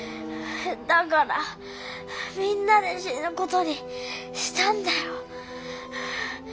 だからみんなで死ぬ事にしたんだよ。